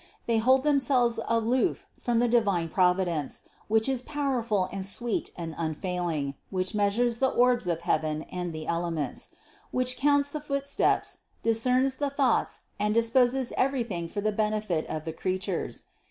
They hold themselves aloof from the divine Providence, which is powerful and sweet and unfailing, which measures the orbs of heaven and the elements; which counts the footsteps, discerns the thoughts, and disposes everything for the benefit of THE CONCEPTION 557 the creatures.